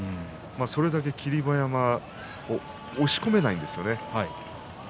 それだけ霧馬山を押し込めないんですよね。